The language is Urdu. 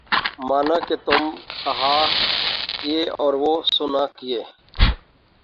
مانا کہ تم کہا کیے اور وہ سنا کیے